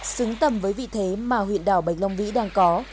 xứng tầm với vị thế mà huyện đảo bạch long vĩ đang có